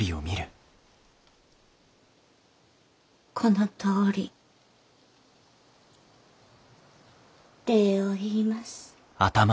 このとおり礼を言います。